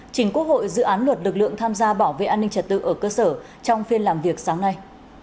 trình quốc hội dự án luật lực lượng tham gia bảo vệ an ninh trật tự ở cơ sở trong phiên làm việc sáng nay